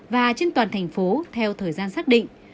và trên toàn thành phố theo thời gian xác định